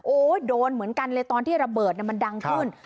โอ้โหโดนเหมือนกันเลยตอนที่ระเบิดมันดังขึ้น